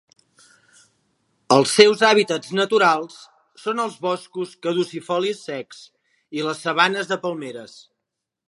Els seus hàbitats naturals són els boscos caducifolis secs i les sabanes de palmeres.